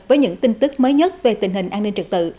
với những tin tức mới nhất về tình hình an ninh trật tự